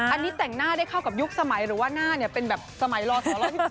อันนี้แต่งหน้าได้เข้ากับยุคสมัยหรือว่าหน้าเป็นแบบสมัยลศ๑๒